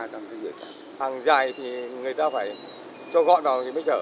hàng dài thì người ta phải cho gọn vào thì mới chở